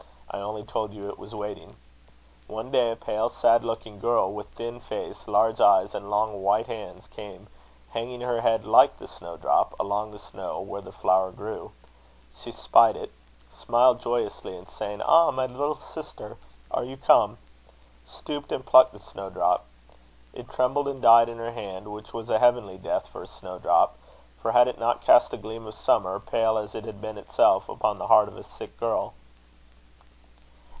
"I only told you it was waiting. One day a pale, sad looking girl, with thin face, large eyes, and long white hands, came, hanging her head like the snowdrop, along the snow where the flower grew. She spied it, smiled joyously, and saying, 'Ah! my little sister, are you come?' stooped and plucked the snowdrop. It trembled and died in her hand; which was a heavenly death for a snowdrop; for had it not cast a gleam of summer, pale as it had been itself, upon the heart of a sick girl?"